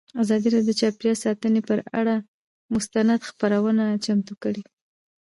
ازادي راډیو د چاپیریال ساتنه پر اړه مستند خپرونه چمتو کړې.